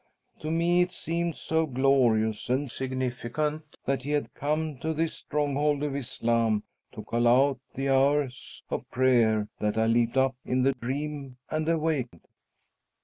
To me it seemed so glorious and significant that he had come to this stronghold of Islam to call out the hours of prayer that I leaped up in the dream and awaked."